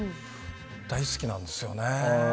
大好きなんですよね。